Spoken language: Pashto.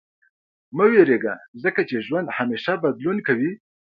• مه وېرېږه، ځکه چې ژوند همېشه بدلون کوي.